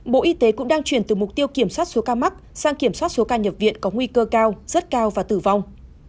bộ y tế cũng đang chuyển từ mục tiêu kiểm soát số ca mắc sang kiểm soát số ca nhập viện có nguy cơ cao rất cao và tử vong